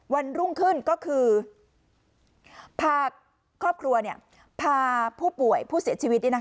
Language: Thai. วันรุ่งขึ้นก็คือพาครอบครัวพาผู้ป่วยผู้เสียชีวิต